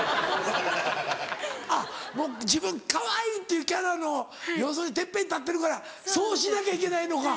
あっもう自分かわいいっていうキャラの要するにてっぺんに立ってるからそうしなきゃいけないのか。